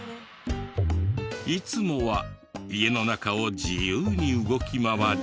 いつもは家の中を自由に動き回り。